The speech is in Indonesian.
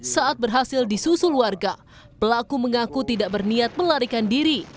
saat berhasil disusul warga pelaku mengaku tidak berniat melarikan diri